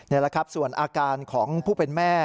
นี่แหละครับส่วนอาการของผู้เป็นแม่